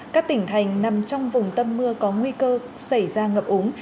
các tỉnh thành nằm trong vùng tâm mưa có nguy cơ xảy ra ngập úng